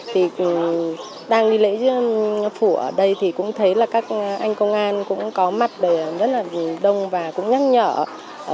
thì đang đi lễ phủ ở đây thì cũng thấy là các anh công an cũng có mặt rất là đông và cũng nhắc nhở